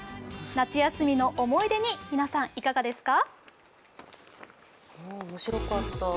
夏休みの思い出に皆さん、いかがですか？